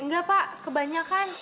enggak pak kebanyakan